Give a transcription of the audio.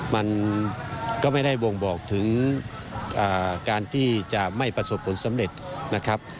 มันก็ไม่ได้บ่งบอกถึงการที่จะไม่ประสบผลสำเร็จนะครับ